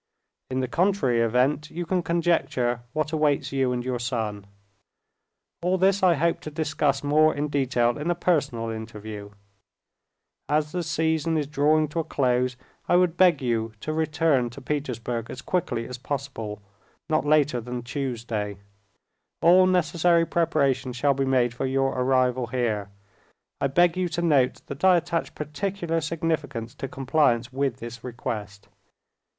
In the contrary event, you can conjecture what awaits you and your son. All this I hope to discuss more in detail in a personal interview. As the season is drawing to a close, I would beg you to return to Petersburg as quickly as possible, not later than Tuesday. All necessary preparations shall be made for your arrival here. I beg you to note that I attach particular significance to compliance with this request.